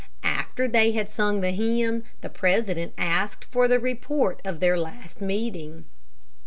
After they had sung the hymn, the president asked for the report of their last meeting.